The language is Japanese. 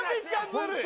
ズルい